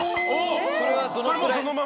それはどのくらい？